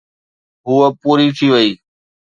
هوءَ پوري ٿي وئي.